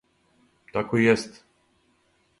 Тако и јест.